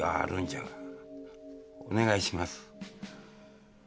お願いします。